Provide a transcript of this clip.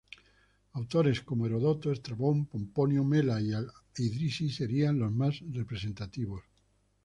Autores como Heródoto, Estrabón, Pomponio Mela y Al-Idrisi serían los más representativos.